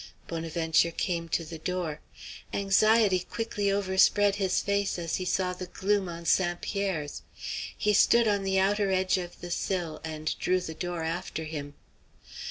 Bonaventure came to the door. Anxiety quickly overspread his face as he saw the gloom on St. Pierre's. He stood on the outer edge of the sill, and drew the door after him.